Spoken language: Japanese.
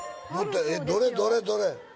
どれどれどれ？